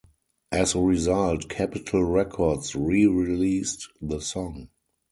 As a result, Capitol Records re-released the song.